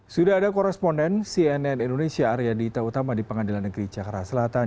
sudah ada koresponden cnn indonesia arya dita utama di pengadilan negeri jakarta selatan